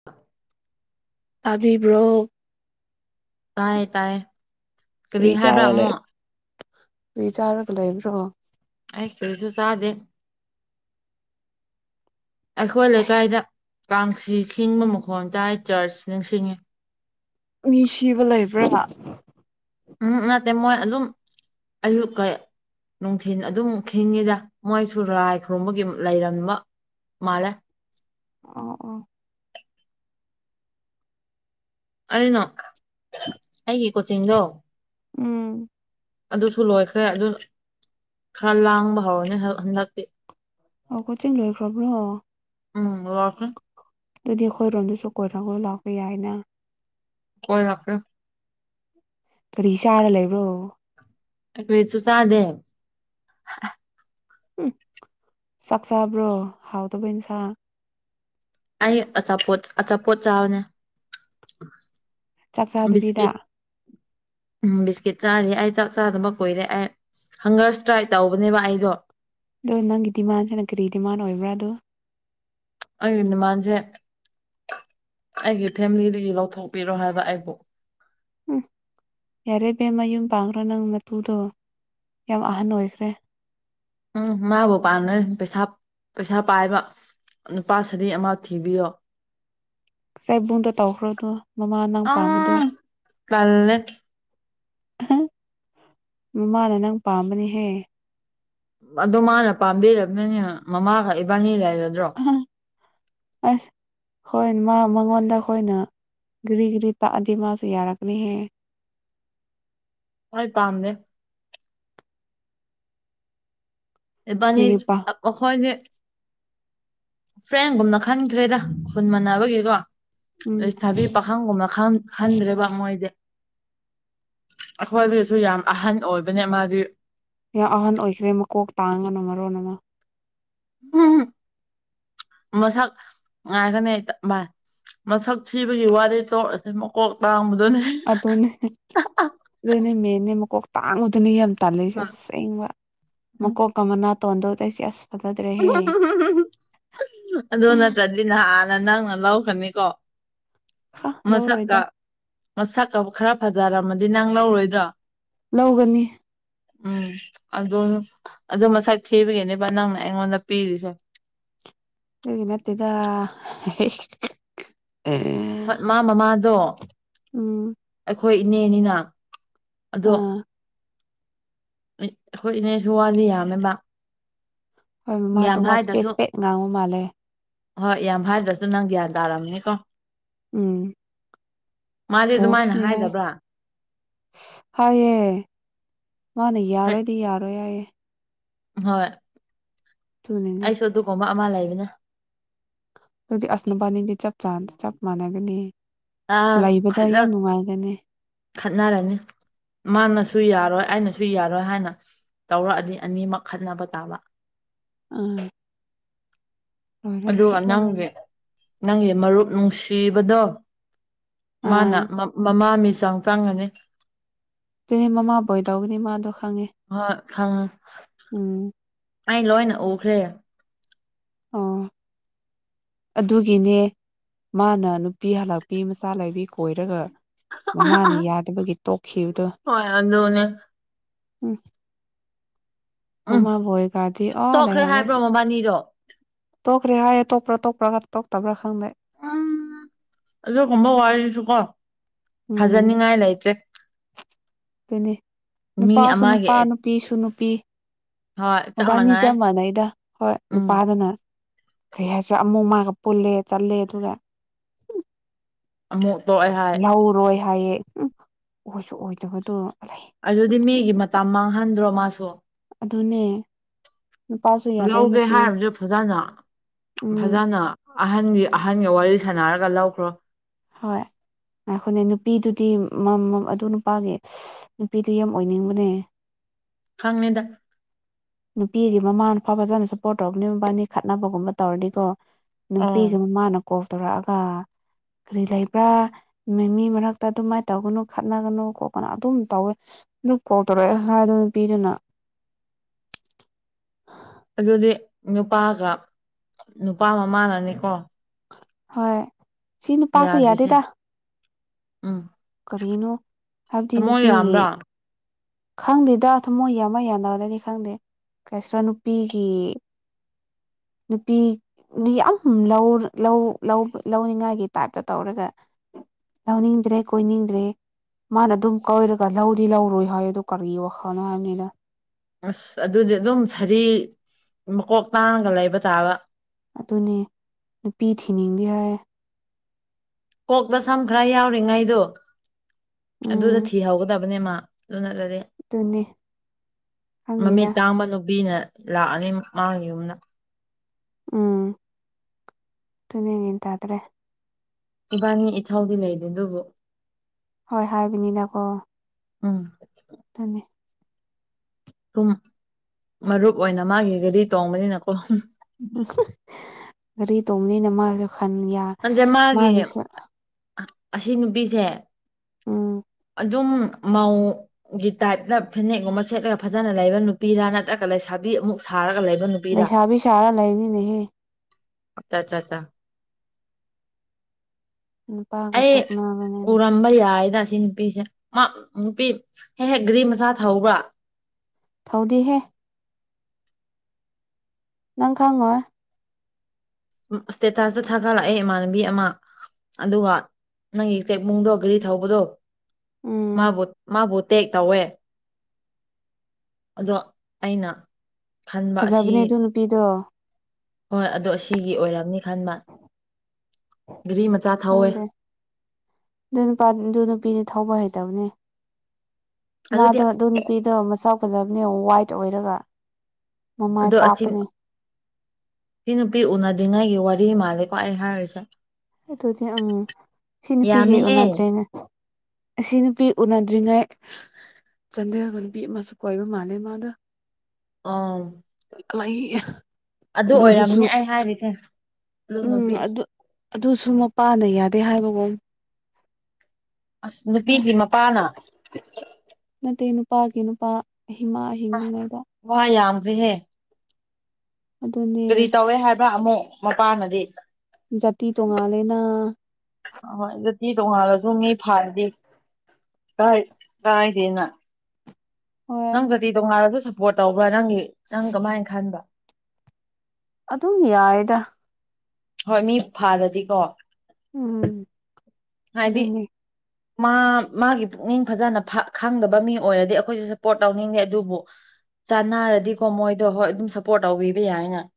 [inaudible] ꯇꯥꯕꯤꯕ꯭ꯔꫭ ꯇꯥꯏꯌꯦ ꯇꯥꯏꯌꯦ ꯀꯔꯤ ꯍꯥꯏꯕ꯭ꯔꯥ ꯆꯥꯔ ꯂꯩ ꯑꯃꯨꯛ ꯀꯔꯤ ꯆꯥꯔꯒ‌ ꯂꯩꯕ꯭ꯔꫭ ꯑꯩꯁ ꯀꯔꯤꯁꯨ ꯆꯥꯗꯦ ꯑꯩꯈꯣꯏ ꯂꯩꯀꯥꯏꯗ ꯀꯥꯡꯁꯤ ꯈꯤꯡꯕ ꯃꯈꯣꯟ ꯇꯥꯏ ꯆꯔꯁ ꯅꯤꯡꯁꯤꯡꯉꯤ ꯃꯤ ꯁꯤꯕ ꯂꯩꯕ꯭ꯔꯕ ꯎꯝ ꯅꯠꯇꯦ ꯃꯣꯏ ꯑꯗꯨꯝ ꯑꯌꯨꯛꯀꯩ ꯅꯨꯡꯊꯤꯟ ꯑꯗꯨꯝ ꯈꯤꯡꯉꯤꯗ ꯃꯣꯏꯁꯨ ꯂꯥꯏ ꯈꯨꯔꯨꯝꯕꯒꯤ ꯂꯩꯔꯝꯕ ꯃꯥꯜꯂꯦ ꯑꯣ ꯑꯣ ꯑꯩꯅ ꯑꯩꯒꯤ ꯀꯣꯆꯤꯡꯗꯣ ꯎꯝ ꯑꯗꯨꯁꯨ ꯂꯣꯏꯈ꯭ꯔꯦ ꯑꯗꯨ ꯈꯔ ꯂꯥꯡꯕ ꯍꯧꯔꯅꯤ ꯍꯟꯗꯛꯇꯤ ꯑꯣ ꯀꯣꯆꯤꯡ ꯂꯣꯏꯈ꯭ꯔꯕ꯭ꯔꯣ ꯎꯝ ꯂꯣꯢꯈ꯭ꯔꯦ ꯑꯗꯨꯗꯤ ꯑꯩꯈꯣꯏꯔꯣꯝꯗꯁꯨ ꯀꯣꯏꯔꯒ ꯂꯥꯛꯄ ꯌꯥꯏꯅ ꯀꯣꯏꯔꯛꯒꯦ ꯀꯔꯤ ꯆꯥꯔ ꯂꯩꯕ꯭ꯔꯣ ꯀꯔꯤꯁꯨ ꯆꯥꯗꯦ ꯎꯝ ꯆꯥꯛ ꯆꯥꯕ꯭ꯔꯣ ꯍꯥꯎꯇꯕ ꯌꯦꯟꯁꯥꯡ ꯑꯩ ꯑꯆꯥꯄꯣꯠ ꯑꯆꯥꯄꯣꯠ ꯆꯥꯕꯅꯦ ꯆꯥꯛ ꯆꯥꯗꯕꯤꯗ ꯕꯤꯁꯀꯤꯠ ꯎꯝ ꯕꯤꯁꯀꯤꯠ ꯆꯥꯔꯤ ꯑꯩ ꯆꯥꯛ ꯆꯥꯗꯕ ꯀꯨꯏꯔꯛꯑꯦ ꯍꯪꯒꯔ ꯏꯁꯇ꯭ꯔꯥꯏ ꯇꯧꯕꯅꯦꯕ ꯑꯩꯗꯣ ꯑꯗꯣ ꯅꯪꯒꯤ ꯗꯤꯃꯥꯟꯁꯤꯅ ꯀꯔꯤ ꯗꯤꯃꯥꯟ ꯑꯣꯏꯕ꯭ꯔꯥ ꯑꯗꯨ ꯑꯩꯒꯤ ꯗꯤꯃꯥꯟꯁꯦ ꯑꯩꯒꯤ ꯐꯦꯃꯤꯂꯤꯗꯒꯤ ꯂꯧꯊꯣꯛꯄꯤꯔꯣ ꯍꯥꯏꯕ ꯑꯩꯕꯨ ꯎꯝ ꯌꯥꯔꯦ ꯕꯦꯝꯃꯥ ꯃꯌꯨꯝ ꯄꯥꯡꯈ꯭ꯔꯣ ꯅꯪ ꯅꯇꯨꯗꯣ ꯌꯥꯝ ꯑꯍꯟ ꯑꯣꯏꯈ꯭ꯔꯦ ꯎꯝ ꯃꯥꯕꯨ ꯄꯥꯝꯃꯦ ꯄꯩꯁꯥ ꯄꯩꯁꯥ ꯄꯥꯏꯕ ꯅꯨꯄꯥ ꯁꯗꯤ ꯑꯃ ꯊꯤꯕꯤꯌꯣ ꯆꯩꯕꯨꯡꯗ ꯇꯧꯈ꯭ꯔꯗꯣ ꯃꯃꯥ ꯅꯪ ꯄꯥꯝꯕꯗꯣ ꯑꯥ ꯇꯜꯂꯦ ꯃꯃꯥꯅ ꯅꯪ ꯄꯥꯝꯕꯅꯤꯍꯦ ꯑꯗꯣ ꯃꯥꯅ ꯄꯥꯝꯕꯤꯔꯝꯗ꯭ꯔꯥꯗꯤ ꯃꯃꯥꯒ ꯏꯕꯥꯅꯤ ꯂꯩꯒꯗ꯭ꯔꯣ ꯑꯁ ꯍꯣꯏ ꯃꯥ ꯃꯉꯣꯟꯗ ꯑꯩꯈꯣꯏꯅ ꯒꯦꯔꯤ ꯒꯦꯔꯤ ꯇꯥꯛꯑꯗꯤ ꯃꯥꯁꯨ ꯌꯥꯔꯛꯀꯅꯤꯍꯦ ꯑꯩ ꯄꯝꯗꯦ ꯢꯕꯥꯅꯤ ꯀꯔꯤꯒꯤꯄꯥ ꯑꯩꯈꯣꯢꯒꯤ ꯐ꯭ꯔꯦꯟꯒꯨꯝꯅ ꯈꯟꯈ꯭ꯔꯦꯗ ꯈꯨꯟ ꯃꯥꯟꯅꯕꯒꯤꯀꯣ ꯎꯝ ꯂꯩꯁꯥꯕꯤ ꯄꯥꯈꯪꯒꯨꯝꯅ ꯈꯟ ꯈꯟꯗ꯭ꯔꯦꯕ ꯃꯣꯏꯗꯤ ꯑꯩꯈꯣꯏꯗꯒꯤꯁꯨ ꯌꯥꯝ ꯑꯍꯟ ꯑꯣꯏꯕꯅꯦ ꯃꯥꯗꯤ ꯌꯥꯜ ꯑꯍꯟ ꯑꯣꯏꯈ꯭ꯔꯦ ꯃꯀꯣꯛ ꯇꯥꯡꯉꯥꯅ ꯃꯔꯣꯟ ꯑꯃ ꯎꯝ ꯃꯁꯛ ꯉꯥꯏꯒꯣꯅꯦ ꯚꯥꯏ ꯃꯁꯛ ꯊꯤꯕꯒꯤ ꯋꯥꯗꯤ ꯇꯣꯛꯑꯁꯤ ꯃꯀꯣꯛ ꯇꯥꯡꯕꯗꯨꯅꯦ ꯑꯗꯨꯅꯦ ꯑꯗꯨꯅꯦ ꯃꯦꯟꯅꯦ ꯃꯀꯣꯛ ꯇꯥꯡꯕꯗꯨꯅꯤ ꯌꯥꯝ ꯇꯜꯂꯤꯁꯦ ꯑꯁꯦꯡꯕ ꯃꯀꯣꯛꯀ ꯑꯃꯅꯥꯇꯣꯟꯗꯣ ꯑꯩꯁ ꯑꯁ ꯐꯖꯗ꯭ꯔꯦꯍꯦ ꯑꯗꯨ ꯅꯠꯇ꯭ꯔꯗꯤ ꯅꯍꯥꯟꯅ ꯅꯪꯅ ꯂꯧꯈ꯭ꯔꯅꯤꯀꯣ ꯍꯥ ꯃꯁꯛꯀ ꯂꯧꯔꯣꯏꯗ ꯃꯁꯛꯀ ꯈꯔ ꯐꯖꯔꯝꯃꯗꯤ ꯅꯪ ꯂꯧꯔꯣꯏꯗ꯭ꯔꯣ ꯂꯧꯒꯅꯤ ꯎꯝ ꯑꯗꯨ ꯑꯗꯨ ꯃꯁꯥꯛ ꯊꯤꯕꯒꯤꯅꯦꯕ ꯅꯪꯅ ꯑꯩꯉꯣꯟꯗ ꯄꯤꯔꯤꯁꯦ ꯑꯗꯨꯒꯤ ꯅꯠꯇꯦꯗ ꯍꯣꯏ ꯃꯥ ꯃꯃꯥꯗꯣ ꯎꯝ ꯑꯩꯈꯣꯏ ꯏꯅꯦꯅꯤꯅ ꯑꯗꯣ ꯑꯥ ꯑꯩꯈꯣꯏ ꯏꯅꯦꯁꯨ ꯋꯥꯗꯤ ꯌꯥꯝꯃꯦꯕ ꯍꯣꯏ ꯃꯃꯥꯗꯣ ꯌꯥꯝ ꯋꯥ ꯆꯥꯄꯦꯠ ꯍꯥꯏꯗ꯭ꯔꯁꯨ ꯆꯥꯄꯦꯠ ꯉꯥꯡꯕ ꯃꯥꯜꯂꯦ ꯍꯣꯏ ꯌꯥꯝ ꯍꯥꯏꯗ꯭ꯔꯁꯨ ꯅꯪ ꯒ꯭ꯌꯥꯟ ꯇꯥꯔꯝꯅꯤ ꯀꯣ ꯎꯝ ꯃꯥꯗꯤ ꯑꯗꯨꯃꯥꯏꯅ ꯄꯣꯁꯅꯤ ꯍꯥꯏꯌꯦ ꯍꯥꯏꯗꯕ꯭ꯔꯥ ꯍꯥꯏꯑꯦ ꯃꯥꯅ ꯍꯣꯏ ꯌꯥꯔꯣꯏꯗꯤ ꯌꯥꯔꯣꯏ ꯍꯥꯏꯌꯦ ꯍꯣꯏ ꯑꯗꯨꯅꯤꯅꯦ ꯑꯩꯁꯨ ꯑꯗꯨꯒꯨꯝꯕ ꯑꯃ ꯂꯩꯕꯅꯦ ꯑꯗꯨꯗꯤ ꯑꯁ ꯅꯣꯏꯕꯥꯅꯤꯗꯤ ꯆꯞ ꯆ ꯆꯞ ꯃꯥꯟꯅꯒꯅꯤ ꯑꯥ ꯂꯩꯕꯗ ꯈꯠꯅ ꯌꯥꯝ ꯅꯨꯡꯉꯥꯏꯒꯅꯤ ꯈꯠꯅꯔꯅꯤ ꯃꯥꯅꯁꯨ ꯌꯥꯔꯣꯏ ꯑꯩꯅꯁꯨ ꯌꯥꯔꯣꯏ ꯍꯥꯏꯅ ꯇꯧꯔꯛꯑꯗꯤ ꯑꯅꯤꯃꯛ ꯈꯠꯅꯕ ꯇꯥꯕ ꯑꯥ ꯂꯣꯏꯔꯦ ꯑꯗꯨꯒ ꯂꯣꯏꯔꯦ ꯂꯣꯏ ꯅꯪꯒꯤ ꯂꯣꯏꯔꯦ ꯅꯪꯒꯤ ꯃꯔꯨꯞ ꯅꯨꯡꯁꯤꯕꯗꯣ ꯃꯥꯅ ꯑꯥ ꯃꯃꯥ ꯃꯤꯆꯥꯡ ꯆꯪꯉꯅꯤ ꯑꯗꯨꯅꯦ ꯃꯃꯥꯕꯨ ꯑꯣꯏ ꯇꯧꯒꯅꯤ ꯃꯥꯗꯣ ꯈꯪꯉꯦ ꯍꯣꯏ ꯈꯪꯉꯦ ꯎꯝ ꯑꯩ ꯂꯣꯏꯅ ꯎꯈ꯭ꯔꯦ ꯑꯣ [inaudible] ꯑꯗꯨꯒꯤꯅꯦ ꯃꯥꯅ ꯅꯨꯄꯤ ꯍꯜꯂꯛꯄꯤ ꯃꯆꯥ ꯂꯩꯕꯤ ꯀꯣꯏꯔꯒ ꯃꯃꯥꯅ ꯌꯥꯗꯕꯒꯤ ꯇꯣꯛꯈꯤꯝꯗꯣ ꯍꯣꯏ ꯑꯗꯨꯅꯦ ꯎꯝ ꯃꯃꯥꯕꯨ ꯑꯣꯏꯒꯗꯤ ꯑꯣ ꯂꯩꯍꯧꯔꯦ ꯃꯕꯥꯟꯅꯤꯗꯣ ꯇꯣꯛꯈ꯭ꯔꯦ ꯍꯥꯏꯌꯦ ꯇꯣꯛꯄ꯭ꯔꯥ ꯇꯣꯛꯄ꯭ꯔꯒ ꯇꯣꯛꯇꯕ꯭ꯔꯥ ꯈꯪꯗꯦ ꯎꯝ ꯑꯗꯨꯒꯨꯝꯕ ꯋꯥꯔꯤꯁꯨ ꯀꯣ ꯎꯝ ꯐꯖꯅꯤꯉꯥꯏ ꯂꯩꯇ꯭ꯔꯦ ꯑꯗꯨꯅꯦ ꯃꯤ ꯅꯨꯄꯥꯁꯨ ꯑꯃꯒꯤ ꯅꯨꯄꯥ ꯅꯨꯄꯤꯁꯨ ꯅꯨꯄꯤ ꯍꯣꯏ ꯃꯕꯥꯟꯅꯤ ꯃꯥꯟꯅꯩ ꯆꯞ ꯃꯥꯟꯅꯩꯗ ꯍꯣꯏ ꯎꯝ ꯅꯨꯄꯥꯗꯨꯅ ꯀꯩ ꯍꯥꯏꯁꯤꯔ ꯑꯃꯨꯛ ꯃꯥꯒ ꯄꯨꯜꯂꯦ ꯆꯠꯂꯦ ꯑꯗꯨꯒ ꯑꯃꯨꯛ ꯇꯣꯛꯑꯦ ꯍꯥꯏ ꯂꯧꯔꯣꯏ ꯍꯥꯏꯌꯦ ꯎꯝ ꯑꯣꯏꯁꯨ ꯑꯣꯏꯗꯕꯗꯨ ꯑꯗꯨꯗꯤ ꯃꯤꯒꯤ ꯃꯇꯝ ꯃꯥꯡꯍꯟꯗ꯭ꯔꯣ ꯃꯥꯁꯨ ꯑꯗꯨꯅꯦ ꯅꯨꯄꯥꯁꯨ ꯌꯥꯗꯦ ꯂꯧꯒꯦ ꯅꯨꯄꯤ ꯍꯥꯏꯔꯕꯗꯤ ꯐꯖꯅ ꯎꯝ ꯐꯖꯅ ꯑꯍꯟꯒꯤ ꯑꯍꯟꯒ ꯋꯥꯔꯤ ꯁꯥꯟꯅꯔꯒ ꯂꯧꯈ꯭ꯔꯣ ꯍꯣꯏ ꯉꯥꯏꯈꯣꯅꯦ ꯅꯨꯄꯤꯗꯨꯗꯤ ꯃꯥ ꯃ ꯑꯗꯨ ꯅꯨꯄꯥꯒꯤ ꯅꯨꯄꯤꯗꯤ ꯌꯥꯝ ꯑꯣꯏꯅꯤꯡꯕꯅꯦ ꯈꯪꯅꯤꯗ ꯅꯨꯄꯤꯒꯤ ꯃꯃꯥꯅ ꯐꯎ ꯐꯖꯥꯅ ꯁꯄꯣꯔꯠ ꯇꯧꯕꯅꯦ ꯃꯕꯥꯟꯅꯤ ꯈꯠꯅꯕꯒꯨꯝꯕ ꯇꯧꯔꯗꯤꯀꯣ ꯅꯨꯄꯤꯒꯤ ꯑꯣ ꯃꯃꯥꯅ ꯀꯣꯜ ꯇꯧꯔꯛꯑꯒ ꯀꯔꯤ ꯂꯩꯕ꯭ꯔꯥ ꯃꯤ ꯃꯔꯛꯇ ꯑꯗꯨꯃꯥꯏꯅ ꯇꯧꯒꯅꯨ ꯈꯠꯅꯒꯅꯨ ꯈꯣꯠꯀꯅꯨ ꯑꯗꯨꯝ ꯇꯧꯋꯦ ꯑꯗꯨꯝ ꯀꯣꯜ ꯇꯧꯔꯛꯑꯦ ꯍꯥꯏ ꯑꯗꯨ ꯅꯨꯄꯤꯗꯨꯅ [inaudible] ꯑꯗꯨꯗꯤ ꯅꯨꯄꯥꯒ ꯅꯨꯄꯥ ꯃꯃꯥꯅꯅꯦꯀꯣ ꯍꯣꯏ ꯁꯤ ꯅꯨꯄꯥꯁꯨ ꯌꯥꯗ꯭ꯔꯤꯁꯦ ꯌꯥꯗꯦꯗ ꯎꯝ ꯀꯔꯤꯅꯣ ꯍꯥꯏꯕꯗꯤ ꯊꯃꯣꯏ ꯅꯨꯄꯤꯒꯤ ꯌꯥꯝꯕ꯭ꯔꯥ ꯈꯪꯗꯦꯗ ꯊꯃꯣꯏ ꯌꯥꯝꯕ ꯌꯝꯗꯕꯗꯨꯗꯤ ꯈꯪꯗꯦ ꯀ꯭ꯔꯤ ꯍꯥꯏꯁꯤꯔꯥ ꯅꯨꯄꯤꯒꯤ ꯅꯨꯄꯤ ꯗꯤ ꯌꯥꯝ ꯂꯧ ꯂꯧ ꯂꯧ ꯂꯧꯅꯤꯡꯉꯥꯏꯒꯤ ꯇꯥꯏꯞꯇ ꯇꯧꯔꯒ ꯂꯧꯅꯤꯡꯗ꯭ꯔꯦ ꯀꯣꯏꯅꯤꯡꯗ꯭ꯔꯦ ꯃꯥꯅ ꯑꯗꯨꯝ ꯀꯣꯏꯔꯒ ꯂꯧꯗꯤ ꯂꯧꯔꯣꯏ ꯍꯥꯏ ꯑ ꯀꯔꯤ ꯋꯥꯈꯜꯅꯣ ꯍꯥꯏꯝꯅꯤꯗ ꯑꯁ ꯑꯗꯨꯗꯤ ꯑꯗꯨꯝ ꯁꯥꯔꯤ ꯃꯀꯣꯛ ꯇꯥꯡꯉꯒ ꯂꯩꯕ ꯇꯥꯕ ꯑꯗꯨꯅꯦ ꯅꯨꯄꯤ ꯊꯤꯅꯤꯡꯗꯦ ꯍꯥꯏꯌꯦ ꯀꯣꯛꯇ ꯁꯝ ꯈꯔ ꯌꯥꯎꯔꯤꯉꯩꯗꯣ ꯎꯝ ꯑꯗꯨꯗ ꯊꯤꯍꯧꯒꯗꯕꯅꯦ ꯃꯥ ꯑꯗꯨꯨꯅꯠꯂꯗꯤ ꯑꯗꯨꯅꯦ [unintelligible] ꯃꯃꯤꯠ ꯈꯪꯗꯦꯗ ꯇꯥꯡꯕ ꯅꯨꯄꯤꯅ ꯂꯥꯛꯑꯅꯤꯨꯛ [unintelligible] ꯃꯥꯡꯉꯤ [unintelligible] ꯌꯨꯝꯅ ꯎꯝ ꯇꯣꯏꯅꯡꯉꯟ [unintelligible] ꯇꯥꯗ꯭ꯔꯦ ꯏꯕꯥꯅꯤ ꯏꯊꯧꯗꯤ ꯂꯩꯔꯤ [unintelligible] ꯑꯗꯨꯕꯨ ꯍꯣꯏ ꯍꯥꯏꯕꯅꯤꯅꯀꯣ ꯎꯝ ꯊꯅꯤ ꯁꯨꯝ ꯃꯔꯨꯞ ꯑꯣꯏꯅ ꯃꯥꯒꯤ ꯒꯔꯤ ꯇꯣꯡꯕꯅꯤꯅꯀꯣ ꯒꯔꯤ ꯇꯣꯝꯅꯤꯅ ꯃꯥꯁꯨ ꯈꯟ ꯌꯥ ꯅꯟꯗꯦ [unintelligible] ꯃꯥꯒꯤ ꯃꯥꯒꯤꯁꯨ ꯑꯁꯤ ꯅꯨꯄꯤꯁꯦ ꯎꯝ ꯑꯗꯨꯝ ꯃꯧ ꯒꯤ ꯇꯥꯏꯞꯇ ꯐꯅꯦꯛꯒꯨꯝꯕ ꯁꯦꯠꯂꯒ ꯐꯖꯅ ꯂꯩꯕ ꯅꯨꯄꯤꯔꯥ ꯅꯠꯇ꯭ꯔꯒ ꯂꯩꯁꯥꯕꯤ ꯑꯃꯨꯛ ꯁꯥꯔꯒ ꯂꯩꯕ ꯅꯨꯄꯤ ꯂꯩꯁꯥꯕꯤ ꯁꯥꯔ ꯂꯩꯕꯅꯤꯅꯦꯍꯦ ꯑꯆꯥ ꯆꯥ ꯆꯥ ꯆꯥ ꯅꯨꯄꯥꯒ ꯑꯩ ꯇꯣꯛꯅꯕꯅꯤꯅ ꯎꯔꯝꯕ ꯌꯥꯏꯗ ꯑꯁꯤ ꯅꯨꯄꯤꯁꯦ [unintelligible] ꯃꯥ ꯅꯨꯄꯤ ꯍꯦꯛ ꯍꯦꯛ ꯒ꯭ꯔꯤ ꯃꯆꯥ ꯊꯧꯕ꯭ꯔꯥ ꯊꯧꯗꯤꯍꯦ ꯅꯪ ꯈꯪꯉꯣꯏ ꯏ꯭ꯁꯇꯦꯇꯥ꯭ꯁꯇ ꯊꯥꯒꯠꯂꯛꯑꯦ ꯏꯃꯥꯟꯅꯕꯤ ꯑꯃ ꯑꯗꯨꯒ ꯅꯪꯒꯤ ꯆꯦꯛꯃꯨꯡꯗꯣ [unintelligible] ꯒꯔꯤ ꯊꯧꯕꯗꯣ ꯎꯝ ꯃꯥꯕꯨ ꯃꯥꯕꯨ ꯇꯦꯛ ꯇꯧꯋꯦ ꯑꯗꯣ ꯑꯩꯅ ꯈꯟꯕ ꯑꯁꯤ ꯐꯖꯕꯅꯦ ꯑꯗꯨ ꯅꯨꯄꯤꯗꯣ ꯍꯣꯏ ꯑꯗꯣ ꯁꯤꯒꯤ ꯑꯣꯏꯔꯝꯅꯤ ꯈꯟꯕ ꯒꯔꯤ ꯈꯪꯗꯦ ꯑꯗꯨ ꯅꯨꯄꯥ ꯑꯗꯨ ꯅꯨꯄꯤꯗꯤ ꯊꯧꯕ ꯍꯩꯇꯕꯅꯦ ꯑꯗꯨꯗꯤ ꯃꯥꯗꯣ ꯑꯗꯨ ꯅꯨꯄꯤꯗꯣ ꯃꯁꯛ ꯐꯖꯕꯅꯦ ꯋꯥꯏꯠ ꯑꯣꯏꯔꯒ ꯃꯃꯥꯏ ꯑꯗꯣ ꯑꯁꯤ ꯄꯥꯛꯄꯅꯦ ꯁꯤ ꯅꯨꯄꯤ ꯎꯅꯗꯤꯉꯥꯏꯒꯤ ꯋꯥꯔꯤ ꯃꯥꯜꯂꯦꯀꯣ ꯑꯩ ꯍꯥꯏꯔꯤꯁꯦ ꯑꯗꯨꯗꯤ ꯑꯪ ꯁꯤ ꯅꯨꯄꯤꯒꯩ ꯌꯥꯝꯃꯤꯍꯦ ꯎꯟꯅꯗ꯭ꯔꯤꯅꯦ ꯑꯁꯤ ꯅꯨꯄꯤ ꯎꯅꯗ꯭ꯔꯤꯉꯩ ꯆꯥꯟꯗꯦꯜꯒ ꯅꯨꯄꯤ ꯑꯃꯁꯨ ꯀꯣꯏꯕ ꯃꯥꯜꯂꯦ ꯃꯥꯗꯣ ꯑꯝ ꯂꯩ ꯑꯗꯨ ꯑꯗꯨꯗꯨꯁꯨ ꯑꯣꯏꯔꯝꯅꯤ ꯑꯩ ꯍꯥꯏꯔꯤꯁꯦ ꯑꯗꯨ ꯎꯝ ꯅꯨꯄꯤ ꯑꯗꯨ ꯑꯗꯨꯁꯨ ꯃꯄꯥꯥꯅ ꯌꯥꯗꯦ ꯍꯥꯏꯕ ꯃꯑꯣꯡ [unintelligible] ꯑ꯭ꯁ ꯑꯦ ꯅꯨꯄꯤꯒꯤ ꯃꯄꯥꯅ ꯅꯠꯇꯦ ꯅꯨꯄꯥꯒꯤ ꯅꯨꯄꯥ ꯍꯤꯃꯥ ꯍꯤꯡꯂꯤꯉꯩꯗ ꯋꯥ ꯌꯥꯝꯒ꯭ꯔꯦꯍꯦ ꯀꯔꯤ ꯑꯗꯨꯅꯦ ꯇꯧꯋꯦ ꯍꯥꯏꯕ꯭ꯔꯥ ꯑꯃꯨꯛ ꯃꯄꯥꯅꯗꯤ ꯖꯥꯇꯤ ꯇꯣꯡꯉꯥꯜꯂꯦꯅ ꯑꯍꯣꯏ ꯖꯥꯇꯤ ꯇꯣꯡꯉꯥꯜꯂꯁꯨ ꯃꯤ ꯐꯥꯔꯗꯤ ꯀꯥꯏ ꯀꯥꯏꯗꯦꯅ ꯍꯣꯏ ꯅꯪ ꯖꯇꯤ ꯇꯣꯉꯥꯜꯂꯁꯨ ꯁꯞꯄꯣꯔꯠ ꯇꯧꯕ꯭ꯔꯥ ꯅꯪꯒꯤ ꯅꯪ ꯀꯃꯥꯏꯅ ꯈꯟꯕ꯭ꯥꯔ ꯑꯗꯨꯝ ꯌꯥꯏꯗ ꯍꯣꯏ ꯃꯤ ꯐꯥꯔꯗꯤꯀꯣ ꯎꯝ ꯍꯥꯏꯗꯤ ꯑꯗꯨꯅꯤ ꯃꯥ ꯃꯥꯒꯤ ꯄꯨꯛꯅꯤꯡ ꯐꯖꯅ ꯈꯪꯗꯕ ꯃꯤ ꯑꯣꯏꯔꯗꯤ ꯑꯩꯈꯣꯏꯁꯨ ꯁꯞꯄꯣꯔꯠ ꯇꯧꯅꯤꯡꯗꯦ ꯑꯗꯨꯕꯨ ꯆꯥꯟꯅꯔꯗꯤꯀꯣ ꯃꯣꯏꯗꯣ ꯍꯣꯏ ꯑꯗꯨꯝ ꯁꯞꯄꯣꯔꯠ ꯇꯧꯕꯤꯕ ꯌꯥꯏꯅ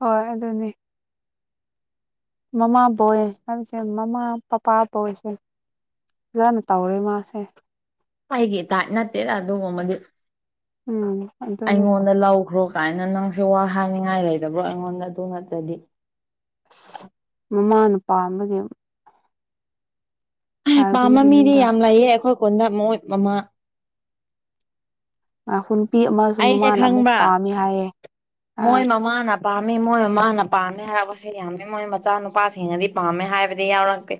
ꯍꯣꯏ ꯑꯗꯨꯅꯦ ꯃꯃꯥꯕꫭꯏ [unintelligible] ꯃꯃꯥ [unintelligible] ꯐꯖꯅ ꯇꯧꯔꯦ ꯃꯥꯁꯦ ꯑꯩꯒꯤ ꯗꯥꯏꯠ ꯅꯠꯇꯦꯗ ꯑꯗꯨꯒꯨꯝꯕꯗꯤ ꯎꯝ ꯑꯗꯨꯅꯦ ꯑꯩꯉꯣꯟꯗ ꯂꯧꯈ꯭ꯔꯣ ꯒꯥꯏꯅ ꯅꯪꯁꯨ ꯋꯥ ꯍꯥꯏꯅꯤꯡꯉꯥꯏ ꯂꯩꯗꯕ꯭ꯔꯣ ꯑꯩꯉꯣꯟꯗ ꯑꯗꯨ ꯅꯠꯇ꯭ꯔꯗꯤ ꯑꯁ ꯃꯃꯥꯅ ꯄꯥꯝꯕꯒꯤ [unintelligible] ꯄꯥꯝꯕ ꯃꯤꯗꯤ ꯍꯥꯏꯕꯤꯕꯅꯤꯗ ꯌꯥꯝ ꯂꯩꯌꯦ ꯑꯈꯣꯏ ꯈꯨꯟꯗ ꯃꯣꯏ ꯃꯃꯥ [unintelligible] ꯅꯨꯄꯤ ꯑꯃꯁꯨ ꯑꯩꯁꯦ ꯃꯃꯥꯅ ꯑꯃꯨꯛ ꯈꯪꯕ꯭ꯔꯥ ꯄꯥꯝꯃꯦ ꯍꯥꯏꯌꯦ ꯑ ꯄꯥꯝꯃꯦ ꯃꯣꯏ ꯃꯃꯥꯅ ꯄꯥꯝꯃꯦ ꯍꯥꯏꯔꯛꯄꯁꯦ ꯌꯥꯝꯃꯦ ꯃꯣꯏ ꯃꯆꯥ ꯅꯨꯨꯄꯥꯁꯤꯡꯅꯗꯤ ꯄꯥꯝꯃꯦ ꯍꯥꯏꯕꯗꯤ ꯌꯥꯎꯔꯛꯇꯦ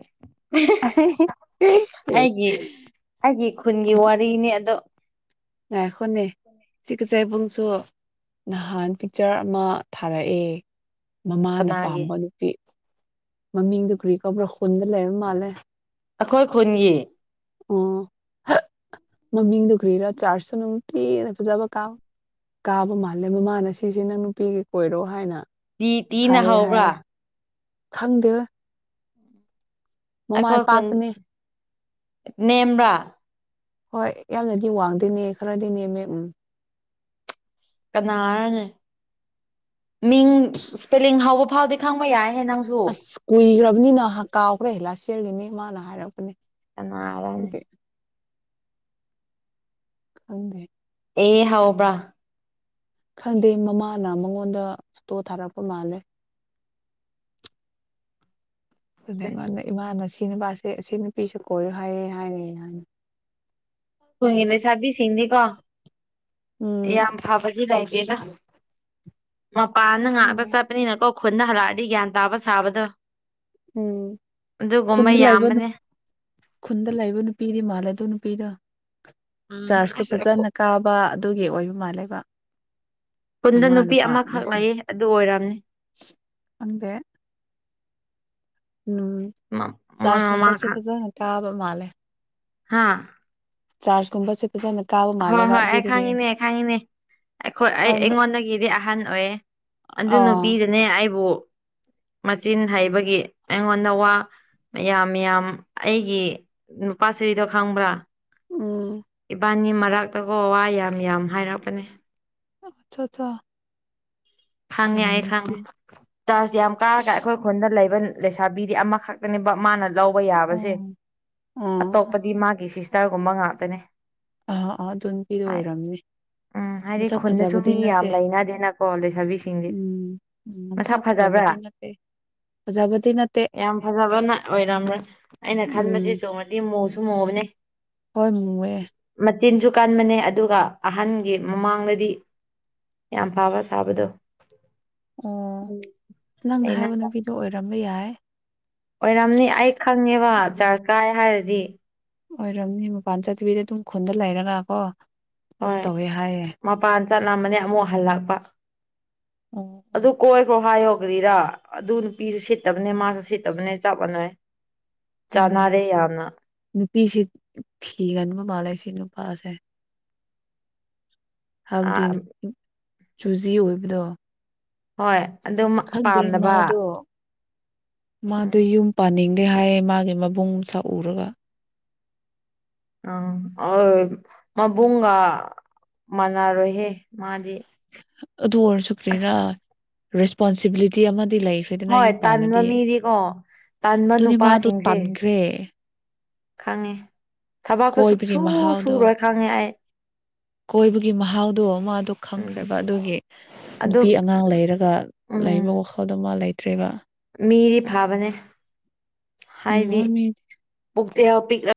[unintelligible] ꯑꯩꯒꯤ ꯑꯩꯒꯤ ꯈꯨꯟꯒꯤ ꯋꯥꯔꯤꯅꯤ ꯑꯗꯣ ꯉꯥꯏꯈꯣꯅꯦ [unintelligible] ꯕꯨꯡꯁꯨ ꯅꯍꯥꯟ ꯄꯤꯛꯆꯔ ꯑꯃ ꯊꯥꯔꯛꯑꯦ ꯃꯃꯥꯅ ꯀꯅꯥꯒꯤ ꯄꯥꯝꯕ ꯅꯨꯄꯤ ꯃꯃꯤꯡꯗꯨ ꯀꯨꯔꯤ ꯀꯧꯕ꯭ꯔ ꯈꯨꯨꯟꯗ ꯂꯩꯕ ꯃꯥꯜꯂꯦ ꯑꯈꯣꯏ ꯈꯨꯟꯒꯤ ꯑꯣ [unintelligible] ꯃꯃꯤꯡꯗꯨ ꯀꯔꯤꯔ [unintelligible] ꯅꯨꯡꯇꯤꯅ ꯐꯖꯕ ꯀꯥꯞ ꯀꯥꯕ ꯃꯥꯜꯂꯦ ꯃꯃꯥꯅ ꯁꯤꯁꯦ ꯅꯪ ꯅꯨꯄꯤꯒꯤ ꯀꯣꯏꯔꯣ ꯍꯥꯏꯅ ꯇꯤ ꯇꯤꯅ ꯍꯥꯏꯌꯦ ꯍꯧꯕ꯭ꯔꯥ ꯍꯥꯏꯌꯦ ꯈꯪꯗꯦꯗ ꯃꯃꯥꯏ ꯑꯩꯈꯣꯏ ꯈꯨꯟ ꯄꯥꯛꯄꯅꯦ ꯅꯦꯝꯕ꯭ꯔꯥ ꯍꯣꯏ ꯌꯥꯝꯅꯗꯤ ꯋꯥꯡꯗꯦꯅꯦ ꯈꯔꯗꯤ ꯅꯦꯝꯃꯦ ꯎꯝ ꯀꯅꯥꯔꯅꯦ ꯃꯤꯡ ꯏꯁꯄꯦꯂꯤꯡ ꯍꯥꯎꯕ ꯐꯥꯎꯗꯤ ꯈꯪꯕ ꯌꯥꯏꯅꯦ ꯅꯪ ꯑꯁ ꯀꯨꯏꯈ꯭ꯔꯝꯅꯤꯅ ꯀꯥꯎꯈ꯭ꯔꯦ [unintelligible] ꯃꯃꯥꯅ ꯍꯥꯏꯔꯛꯄꯅꯦ ꯀꯅꯥꯔꯅꯦ ꯑꯗꯨꯒꯤ ꯈꯪꯗꯦ ꯑꯦ ꯍꯧꯕ꯭ꯔ ꯈꯪꯗꯦ ꯃꯃꯥꯅ ꯃꯉꯣꯟꯗ ꯐꯣꯇꯣ ꯊꯥꯔꯛꯄ ꯃꯥꯜꯂꯦ [unintelligible] ꯏꯃꯥꯅ ꯁꯤ ꯅꯨꯄꯥꯁꯦ ꯁꯤ ꯅꯨꯄꯤꯁꯦ ꯀꯣꯏꯌꯨ ꯍꯥꯏꯌꯦ ꯍꯥꯏꯅ ꯌꯦꯡꯍꯟ ꯈꯨꯟꯒꯤ ꯂꯩꯁꯥꯕꯤꯁꯤꯡꯗꯤꯀꯣ ꯎꯝ ꯌꯥꯝ ꯐꯕꯗꯤ ꯂꯩꯇꯦꯗ ꯃꯄꯥꯟꯗ ꯉꯥꯛꯇ ꯈꯪꯗꯦ ꯆꯠꯄꯅꯤꯅꯀꯣ ꯈꯨꯟꯗ ꯍꯜꯂꯛꯑꯗꯤ ꯒ꯭ꯌꯥꯟ ꯇꯥꯕ ꯁꯥꯕꯗꯣ ꯎꯝ ꯑꯗꯨꯒꯨꯝꯕ ꯈꯨꯟꯗ ꯂꯩꯕ ꯌꯥꯝꯕꯅꯦ ꯈꯨꯟꯗ ꯂꯩꯕ ꯅꯨꯄꯤꯗꯤ ꯃꯥꯜꯂꯦ ꯑꯗꯨ ꯅꯨꯄꯤꯗꯣ ꯎꯝ ꯆꯥꯔꯖꯇꯣ ꯑꯁ ꯐꯖꯅ ꯀꯥꯕ ꯑꯗꯨꯒꯤ ꯑꯣꯏꯕ ꯃꯥꯜꯂꯦꯕ ꯈꯨꯟꯗ ꯃꯃꯥ ꯅꯨꯄꯤ ꯅꯨꯄꯥ ꯑꯃꯈꯛ ꯁꯤꯅ ꯂꯩꯌꯦ ꯑꯗꯨ ꯑꯣꯏꯔꯝꯅꯤ ꯈꯪꯗꯦ ꯎꯝ ꯃꯥ ꯃꯥ ꯆꯥꯔꯖꯀꯨꯝꯕꯁꯦ ꯐꯖꯅ ꯀꯥꯕ ꯃꯥꯜꯂꯦ ꯍꯥꯥ ꯆꯥꯔꯖꯀꯨꯝꯕꯁꯦ ꯐꯖꯅ ꯀꯥꯕ ꯍꯣꯏ ꯃꯥꯜꯂꯦꯕ ꯍꯣꯏ ꯑꯩ ꯑꯗꯨꯗꯒꯤ ꯈꯪꯉꯤꯅꯦ ꯑꯩ ꯈꯪꯉꯤꯅꯦ ꯑꯩꯈꯣꯏ ꯑꯩ ꯑꯩꯉꯣꯟꯗꯒꯤꯗꯤ ꯑꯍꯟ ꯑꯣꯏꯌꯦ ꯑꯗꯨ ꯑꯥ ꯅꯨꯄꯤꯗꯨꯅꯦ ꯑꯩꯕꯨ ꯃꯆꯤꯟ ꯍꯩꯕꯒꯤ ꯑꯩꯉꯣꯟꯗ ꯋꯥ ꯌꯥꯝ ꯌꯥꯝ ꯑꯩꯒꯤ ꯅꯨꯄꯥꯁ꯭ꯔꯤꯗꯣ ꯈꯪꯕ꯭ꯔ ꯎꯝ ꯏꯕꯥꯅꯤ ꯃꯔꯛꯇꯀꯣ ꯋꯥ ꯌꯥꯝ ꯌꯥꯝ ꯍꯥꯏꯔꯛꯄꯅꯦ ꯑꯆꯥ ꯑꯆꯥ ꯈꯥꯡꯉꯦ ꯀꯔꯤ ꯑꯩ ꯅꯨꯄꯤ ꯈꯥꯡꯉꯦ ꯆꯥꯔꯖ ꯌꯥꯝ ꯀꯥꯔꯒ ꯑꯩꯈꯣꯏꯈꯣꯟꯗ ꯂꯩꯕ ꯂꯩꯁꯥꯕꯤꯗꯤ ꯑꯃꯈꯛꯇꯅꯦꯕ ꯃꯥꯅ ꯂꯧꯕ ꯑꯣ ꯌꯥꯕꯁꯦ ꯑꯥ ꯑꯇꯣꯞꯄꯗꯤ ꯃꯥꯒꯤ ꯁꯤꯁꯇꯔꯒꯨꯝꯕ ꯉꯥꯛꯇꯅꯦ ꯑꯥ ꯑꯥ ꯑꯗꯨ ꯅꯨꯄꯤꯗꯨ ꯍꯥꯏ ꯑꯣꯏꯔꯝꯃꯤ ꯎꯝ ꯍꯥꯏꯗꯤ ꯈꯨꯟꯗꯁꯨ ꯃꯤ ꯌꯥꯝ ꯂꯩꯅꯗꯦꯅꯀꯣ ꯂꯩꯁꯥꯕꯤꯁꯤꯡꯗꯤ ꯎꯝ ꯎꯝ ꯃꯁꯛ ꯃꯥꯁꯛ ꯐꯖꯕ꯭ꯔꯥ ꯐꯖꯕꯗꯤ ꯅꯠꯇꯦ ꯐꯖꯕꯗꯤ ꯅꯠꯇꯦ ꯌꯥꯝ ꯐꯖꯕꯅ ꯑꯣꯏꯔꯝꯔꯣꯏ ꯑꯩꯅ ꯎꯝ ꯈꯟꯕꯁꯤꯁꯨꯨ ꯃꯨꯗꯤ ꯃꯨꯁꯨ ꯃꯨꯕꯅꯦ ꯍꯣꯏ ꯃꯨꯋꯦ ꯃꯆꯤꯟꯁꯨ ꯀꯟꯕꯅꯦ ꯑꯗꯨꯒ ꯑꯍꯟꯒꯤ ꯃꯃꯥꯡꯗꯗꯤ ꯌꯥꯝ ꯐꯕ ꯁꯥꯕꯗꯨ ꯑꯣ ꯅꯪꯅ ꯍꯥꯏꯕ ꯅꯨꯄꯤꯗꯣ ꯑꯣꯏꯔꯝꯕ ꯌꯥꯏ ꯑꯣꯏꯔꯝꯅꯤ ꯑꯩ ꯈꯪꯉꯦꯕ ꯎꯝ ꯆꯔꯆ ꯀꯥꯏ ꯍꯥꯏꯔꯗꯤ ꯑꯣꯏꯔꯝꯅꯤ ꯃꯄꯥꯟ ꯆꯠꯇꯕꯤꯗ ꯑꯗꯨꯝ ꯈꯨꯟꯗ ꯂꯩꯔꯒ ꯀꯣ ꯑꯗꯨꯝ ꯍꯣꯏ ꯇꯧꯋꯦ ꯍꯥꯏꯌꯦ ꯃꯄꯥꯟ ꯆꯠꯂꯝꯕꯅꯦ ꯑꯃꯨꯛ ꯍꯜꯂꯛꯄ ꯑꯣ ꯑꯗꯨ ꯀꯣꯏꯈ꯭ꯔꯣ ꯍꯥꯏꯌꯣ ꯀꯔꯤꯔ ꯑꯗꯨ ꯅꯨꯄꯤꯁꯨ ꯁꯤꯠꯇꯕꯅꯦ ꯃꯥꯁꯨ ꯁꯤꯠꯇꯕꯅꯦ ꯆꯞ ꯃꯥꯟꯅꯩ ꯆꯥꯟꯅꯔꯦ ꯌꯥꯝꯅ ꯅꯨꯄꯤꯁꯤ ꯊꯤꯒꯟꯕ ꯃꯥꯜꯂꯦ ꯁꯤ ꯅꯨꯄꯥꯁꯦ [inaudible] ꯍꯥꯏꯕꯗꯤ ꯆꯨꯖꯤ ꯑꯣꯏꯕꯗꯣ ꯍꯣꯏ ꯑꯗꯨꯃꯛ ꯈꯪꯗꯦ ꯄꯥꯝꯗꯕ ꯎꯝ ꯃꯥꯗꯨ ꯌꯨꯝ ꯄꯥꯅꯤꯡꯗꯦ ꯍꯥꯏꯌꯦ ꯃꯥꯒꯤ ꯃꯕꯨꯡ ꯁꯥ ꯎꯔꯒ ꯑꯥ ꯃꯕꯨꯡꯒ ꯃꯥꯟꯅꯔꯣꯏꯍꯦ ꯃꯥꯗꯤ ꯑꯗꯨ ꯑꯣꯏꯔꯁꯨ ꯀꯔꯤꯔ ꯑꯁ ꯔꯦꯁꯄꯣꯟꯁꯤꯕꯤꯂꯤꯇꯤ ꯑꯃꯗꯤ ꯂꯩ ꯍꯣꯏ ꯇꯥꯟꯕ ꯃꯤꯗꯤꯀꯣ ꯇꯥꯟꯕ ꯑꯗꯨꯅꯤ ꯃꯥꯗꯣ ꯅꯨꯄꯥꯁꯤꯡꯁꯦ ꯇꯟꯈ꯭ꯔꯦ ꯈꯪꯉꯦ ꯊꯕꯛꯁꯨ ꯀꯣꯏꯕꯒꯤ ꯁꯨꯛꯁꯨ ꯃꯍꯥꯎꯗꯣ ꯁꯨꯔꯣꯏ ꯈꯪꯉꯦ ꯑꯩ ꯀꯣꯏꯕꯒꯤ ꯃꯍꯥꯎꯗꯣ ꯃꯥꯗꯨ ꯎꯝ ꯈꯪꯈ꯭ꯔꯦꯕ ꯑꯗꯨꯒꯤ ꯑꯗꯨ ꯅꯨꯄꯤ ꯑꯉꯥꯡ ꯂꯩꯔꯒ ꯎꯝ ꯂꯩꯕ ꯋꯥꯈꯜꯗ ꯃꯥ ꯂꯩꯇ꯭ꯔꯦꯕ ꯃꯤꯗꯤ ꯐꯕꯅꯦ ꯍꯥꯏꯗꯤ ꯄꯨꯛꯆꯦꯜ ꯄꯤꯛꯔꯛ